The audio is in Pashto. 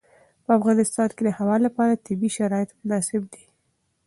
په افغانستان کې د هوا لپاره طبیعي شرایط مناسب دي.